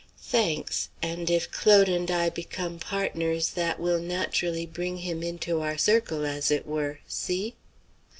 "Thanks! And if Claude and I become partners that will naturally bring him into our circle, as it were; see?"